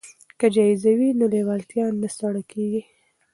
که جایزه وي نو لیوالتیا نه سړه کیږي.